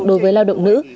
đối với lao động nữ